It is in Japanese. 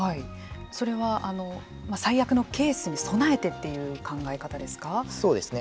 それは最悪のケースに備えてというそうですね。